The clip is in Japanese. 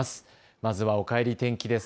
まずは、おかえり天気です。